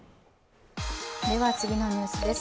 次のニュースです。